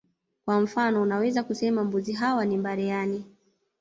Kwa mfano unaweza kusema mbuzi hawa ni mbare ani